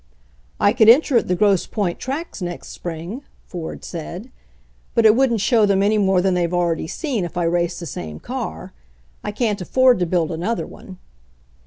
' "I could enter at the Grosse Point tracks next spring," Ford said. "But it wouldn't show them any more than they've already sefcn, if I race the same car. I can't afford to build another one."